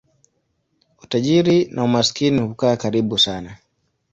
Utajiri na umaskini hukaa karibu sana.